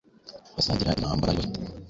basangira impamba bari bafite